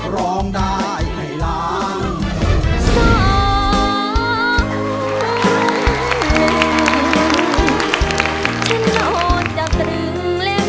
ร้องได้ให้ล้าน